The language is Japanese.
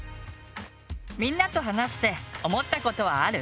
みんなと話して思ったことはある？